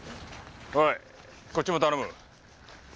おいこっちも頼む。